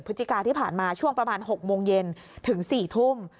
พฤศจิกาที่ผ่านมาช่วงประมาณ๖โมงเย็นถึง๔ทุ่ม